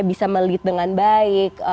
bisa melid dengan baik